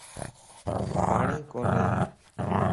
پاڻين ڪوني.